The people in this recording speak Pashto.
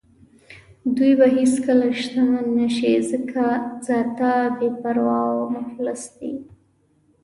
دوی به هېڅکله شتمن نه شي ځکه ذاتاً بې پروا او مفلس دي.